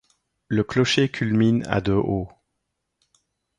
Le clocher culmine à de haut.